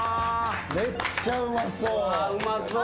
めっちゃうまそう。